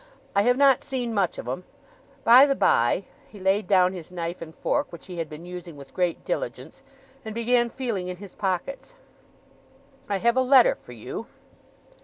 I have not seen much of 'em. By the by'; he laid down his knife and fork, which he had been using with great diligence, and began feeling in his pockets; 'I have a letter for you.